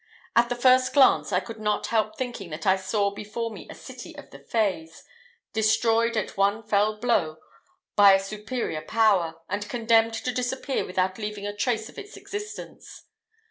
At the first glance I could not help thinking that I saw before me a city of the fays, destroyed at one fell blow by a superior power, and condemned to disappear without leaving a trace of its existence.